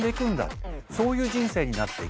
そういう人生になっていきました。